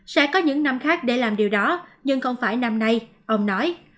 sẽ có những năm khác để làm điều đó nhưng không phải năm nay ông nói